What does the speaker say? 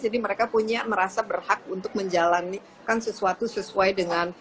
jadi mereka punya merasa berhak untuk menjalani kan sesuatu sesuai dengan